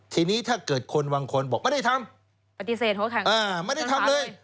ทีนี้ถ้าเกิดคนวางคนบอกไม่ได้ทำไม่ได้ทำเลย